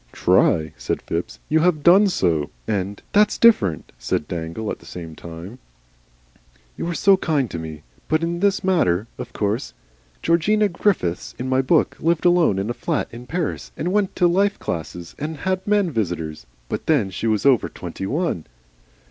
"TRY!" said Phipps. "You HAVE done so." And, "That's different," said Dangle, at the same time. "You are so kind to me. But in this matter. Of course Georgina Griffiths in my book lived alone in a flat in Paris and went to life classes and had men visitors, but then she was over twenty one."